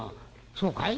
「そうかい？」。